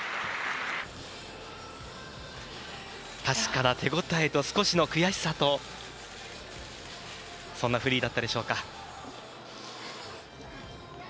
確かな手応えと少しの悔しさとそんなフリーだったでしょうか。